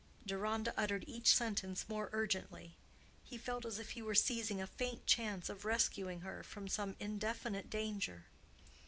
Deronda uttered each sentence more urgently; he felt as if he were seizing a faint chance of rescuing her from some indefinite danger.